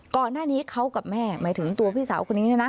ก่อนหน้านี้เขากับแม่หมายถึงตัวพี่สาวคนนี้เนี่ยนะ